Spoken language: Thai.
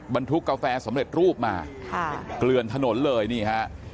บรรทุกกาแฟสำเร็จรูปมาค่ะเกลือนถนนเลยนี่ฮะ